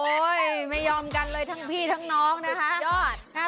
โธ่ไม่ยอมกันเลยทั้งพี่ทางน้องนะคะ